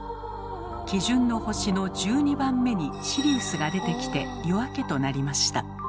基準の星の１２番目にシリウスが出てきて夜明けとなりました。